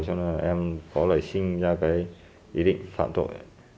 cho nên là em có lời sinh ra cái ý định phạm tội